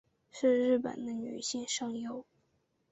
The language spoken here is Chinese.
是日本的女性声优。